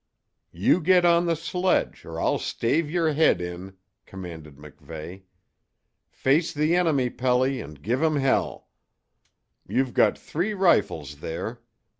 "You get on the sledge, or I'll stave your head in!" commanded MacVeigh. "Face the enemy, Pelly, and give 'em hell. You've got three rifles there.